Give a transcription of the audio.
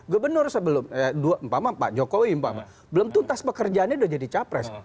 gubernur sebelum empama pak jokowi belum tuntas pekerjaannya sudah jadi capres